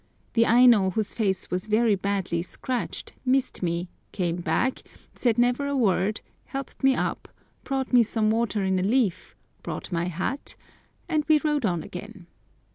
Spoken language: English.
The Aino, whose face was very badly scratched, missing me, came back, said never a word, helped me up, brought me some water in a leaf, brought my hat, and we rode on again.